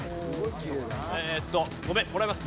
えっとごめんもらいます。